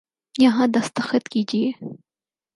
یہاں دستخط کیجئے